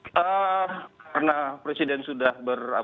karena presiden sudah